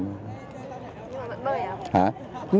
nhưng mà vẫn bơi à